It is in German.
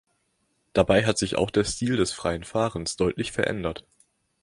Dabei hat sich auch der Stil des freien Fahrens deutlich verändert.